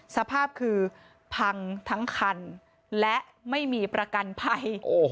สภาพคือพังทั้งคันและไม่มีประกันภัย